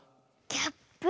キャップ。